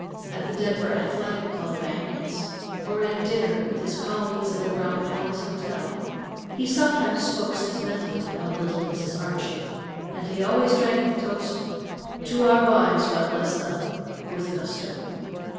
At the Denver Athletic Club banquets, or at dinner with his colleagues at the Brown Palace Hotel, he sometimes spoke sentimentally about "little Mrs. Archie," and he always drank the toast "to our wives, God bless them!" with gusto.